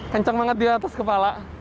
kencang banget di atas kepala